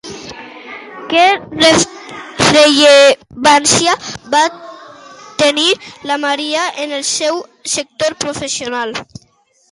Quina rellevància va tenir la Maria en el seu sector professional?